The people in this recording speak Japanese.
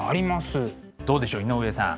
どうでしょう井上さん